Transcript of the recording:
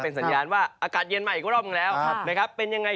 เป็นสัญญาณว่าอากาศเย็นมาอีกกว่าระลอกมาแล้ว